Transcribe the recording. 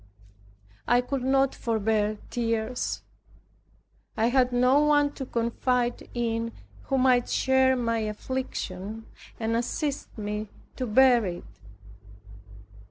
I could not forbear tears. I had no one to confide in who might share my affliction, and assist me to bear it.